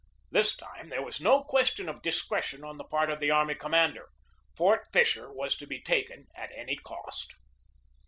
This time there was no question of discretion on the part of the army commander. Fort Fisher was to be taken at any cost.